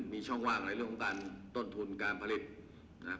มีช่องว่างในเรื่องของการต้นทุนการผลิตนะครับ